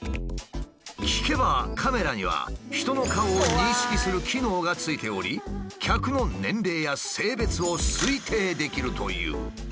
聞けばカメラには人の顔を認識する機能が付いており客の年齢や性別を推定できるという。